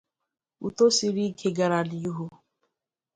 Uto siri ike gara n'ihu.